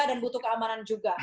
dan butuh keamanan juga